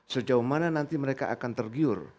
sejauh mana nanti mereka akan tergiur